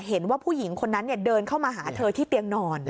เห็นว่าผู้หญิงคนนั้นเดินเข้ามาหาเธอที่เตียงนอน